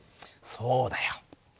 そうだよ。